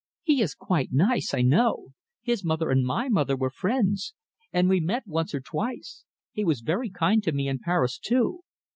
He is quite nice, I know. His mother and my mother were friends, and we met once or twice. He was very kind to me in Paris, too.